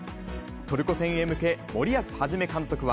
トルコ戦へ向け、森保一監督は。